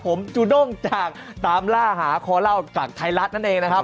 ผมจูด้งจากตามล่าหาคอเล่าจากไทยรัฐนั่นเองนะครับ